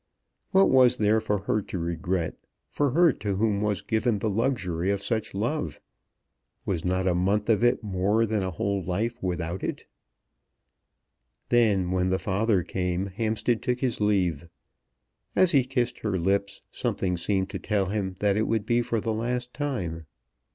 What was there for her to regret, for her to whom was given the luxury of such love? Was not a month of it more than a whole life without it? Then, when the father came, Hampstead took his leave. As he kissed her lips, something seemed to tell him that it would be for the last time.